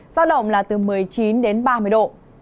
giao động là từ một mươi chín đến ba mươi độ